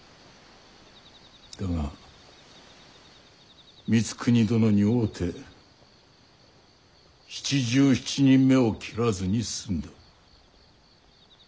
だが光圀殿に会うて７７人目を斬らずに済んだ。